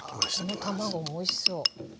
この卵もおいしそう。